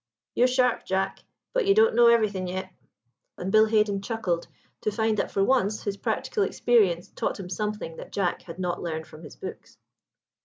You're sharp, Jack, but you don't know everything yet." And Bill Haden chuckled to find that for once his practical experience taught him something that Jack had not learned from his books.